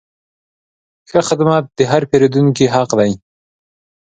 ښه خدمت د هر پیرودونکي حق دی.